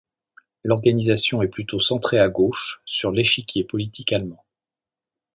L'organisation est plutôt centrée à gauche sur l'échiquier politique allemand.